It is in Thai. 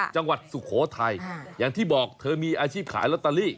สุโขทัยอย่างที่บอกเธอมีอาชีพขายลอตเตอรี่